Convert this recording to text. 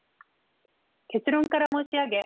結論から申し上げ